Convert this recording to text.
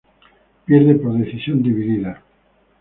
Pierde por decisión dividida.